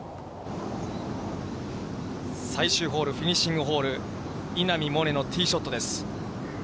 最終ホール、フィニッシングホール、稲見萌寧のティーショットです。